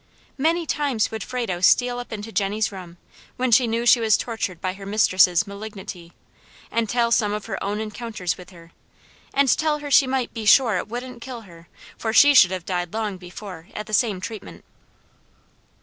Many times would Frado steal up into Jenny's room, when she knew she was tortured by her mistress' malignity, and tell some of her own encounters with her, and tell her she might "be sure it wouldn't kill her, for she should have died long before at the same treatment."